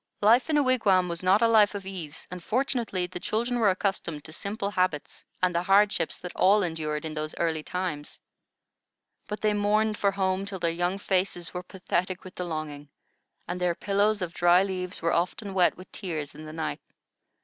Life in a wigwam was not a life of ease, and fortunately the children were accustomed to simple habits and the hardships that all endured in those early times. But they mourned for home till their young faces were pathetic with the longing, and their pillows of dry leaves were often wet with tears in the night.